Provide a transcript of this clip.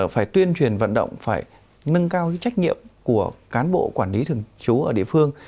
phải tuyên truyền vận động phải nâng cao trách nhiệm của cán bộ quản lý thường trú ở địa phương